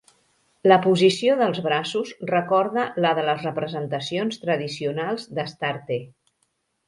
La posició dels braços recorda la de les representacions tradicionals d'Astarte.